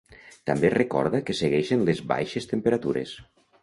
També es recorda que segueixen les baixes temperatures.